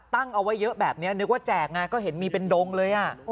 ตั้งเอาไว้เยอะแบบนี้นึกว่าแจกไงก็เห็นมีเป็นดงเลย